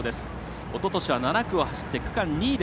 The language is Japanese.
おととしは７区を走って区間２位。